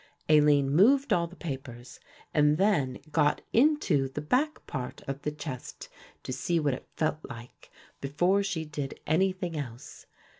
Aline moved all the papers and then got into the back part of the chest to see what it felt like, before she did anything else.